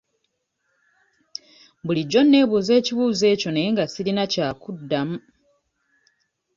Bulijjo neebuuza ekibuuzo ekyo naye nga sirina kya kuddamu.